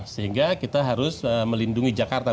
sehingga kita harus melindungi jakarta